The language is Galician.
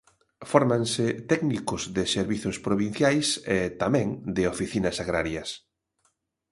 Fórmanse técnicos de servizos provinciais e, tamén, de oficinas agrarias.